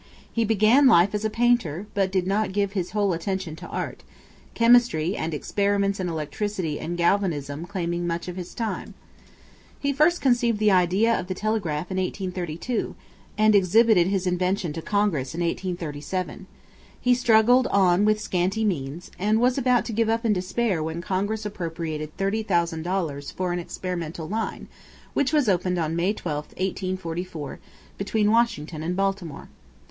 He began life as a painter, but did not give his whole attention to art chemistry and experiments in electricity and galvanism claiming much of his time. He first conceived the idea of the telegraph in 1832, and exhibited his invention to Congress in 1837. He struggled on with scanty means, and was about to give up in despair when Congress appropriated $30,000 for an experimental line, which was opened on May 12, 1844, between Washington and Baltimore.